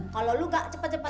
kalau lu gak cepat cepat